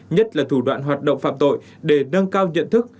nhất là thủ đoạn hoạt động phạm tội để nâng cao nhận thức